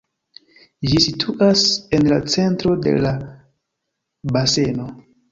Ĝi situas en la centro de la baseno.